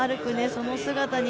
その姿に